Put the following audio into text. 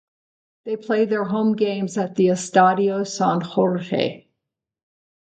They play their home games at the Estadio San Jorge.